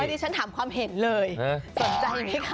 ดิฉันถามความเห็นเลยสนใจไหมคะ